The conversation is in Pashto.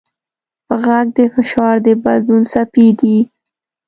غږ د فشار د بدلون څپې دي.